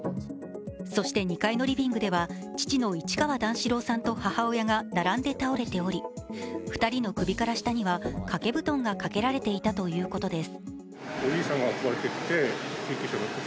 そして２階のリビングでは父の市川段四郎さんと母親が並んで倒れており２人の首から下には掛け布団がかけられていたということです。